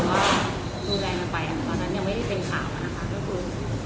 คุณก็ดูแลมันไปตอนนั้นยังไม่ได้เต็มข่าวนะครับ